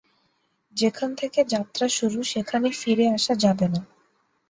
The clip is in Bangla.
যেখান থেকে যাত্রা শুরু সেখানে ফিরে আসা যাবে না।